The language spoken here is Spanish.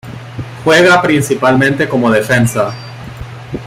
Juega principalmente como defensa.